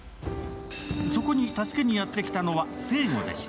そこに助けにやってきたのは成吾でした。